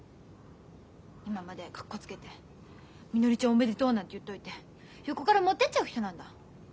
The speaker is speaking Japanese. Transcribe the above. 今まではかっこつけて「みのりちゃんおめでとう」なんて言っといて横から持ってっちゃう人なんだ。